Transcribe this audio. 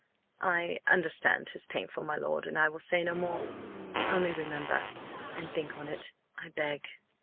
"I understand 'tis painful, my lord, and I will say no more. Only remember–and think on it, I beg!"